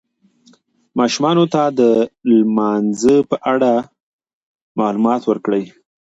ماشومانو ته د لم لمانځه په اړه معلومات ورکړئ.